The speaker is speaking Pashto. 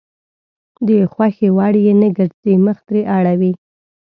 د خوښې وړ يې نه ګرځي مخ ترې اړوي.